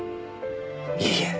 いいえ